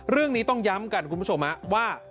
เรื่องนี้ต้องย้ำกันคุณผู้ชมว่า